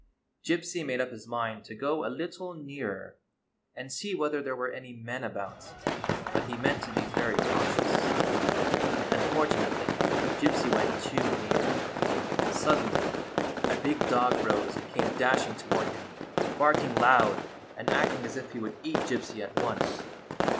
Gypsy made up his mind to go a little nearer and see whether there were any men about ; but he meant to be very cautious. Unfortunately Gypsy went too near. Sud denly a big dog rose and came dashing toward him, barking loud and acting as if he would eat Gypsy at once.